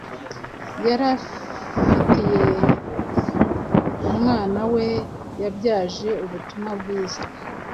yari afitiye umwana we yabyaje ubutumwa bwiza